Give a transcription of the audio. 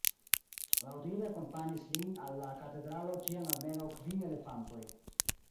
Laŭdire akompanis lin al la katedralo ĉiam almenaŭ kvin elefantoj.